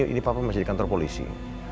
ini papa masih di kantor polisi